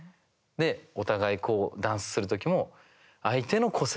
お互いダンスする時も相手の個性